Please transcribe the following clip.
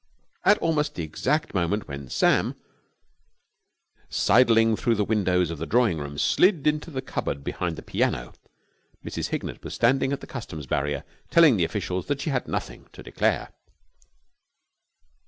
At almost the exact moment when Sam, sidling through the windows of the drawing room, slid into the cupboard behind the piano, Mrs. Hignett was standing at the Customs barrier telling the officials that she had nothing to declare.